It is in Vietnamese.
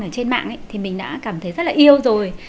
ở trên mạng thì mình đã cảm thấy rất là yêu rồi